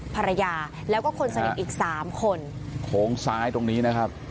ภรรยาแล้วก็คนสนิทอีกสามคนโค้งซ้ายตรงนี้นะครับ